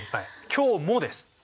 「今日も」です！